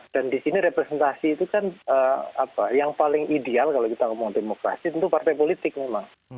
dan di sini representasi itu kan apa yang paling ideal kalau kita ngomong demokrasi tentu partai politik memang